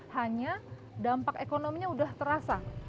hanya dampak ekonominya sudah terasa